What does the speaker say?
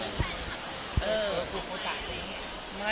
คุณคุณโปรตะไหน